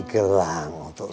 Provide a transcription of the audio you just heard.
aku harus menguntukmu